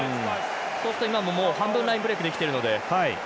そうすると今も半分ラインブレイクできてるので。